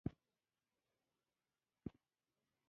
دې خبرې سره